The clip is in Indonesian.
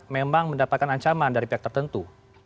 memang mendapatkan ancaman dari pihak tertentu